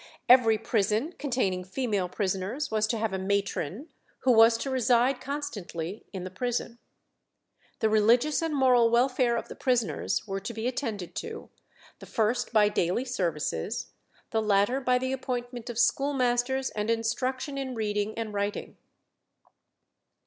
Every prison containing female prisoners was to have a matron who was to reside constantly in the prison. The religious and moral welfare of the prisoners were to be attended to, the first by daily services, the latter by the appointment of schoolmasters and instruction in reading and writing.